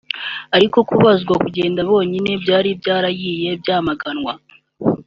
ariko kubuzwa kugenda bonyine byari byaragiye byamaganwa